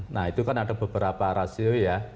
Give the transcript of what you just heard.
nah itu kan ada beberapa rasio ya